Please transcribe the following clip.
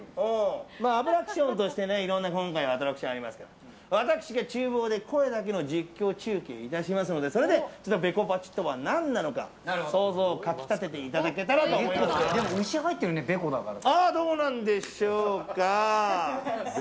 脂クションとしていろいろ今回アトラクションありますが私が厨房で声だけの実況中継いたしますのでそれでベコバチとは何なのか想像をかき立てていただけたらと牛入ってるね、ベコだから。